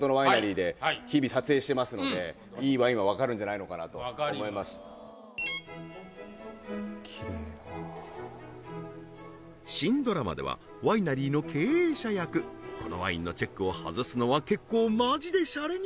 一応だから撮影現場もわかりました新ドラマではワイナリーの経営者役このワインのチェックを外すのは結構マジでシャレにならない